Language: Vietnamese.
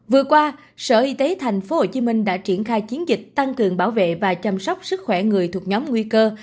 vừa qua sở y tế tp hcm đã triển khai chiến dịch tăng cường bảo vệ và chăm sóc sức khỏe người thuộc nhóm nguy cơ